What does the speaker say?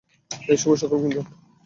এই - শুভ সকাল গুঞ্জন!